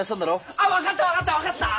あ分かった分かった分かった！